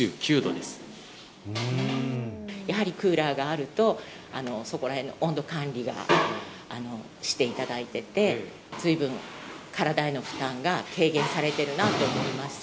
やはりクーラーがあると、そこらへんの温度管理がしていただいてて、ずいぶん体への負担が軽減されてるなと思います。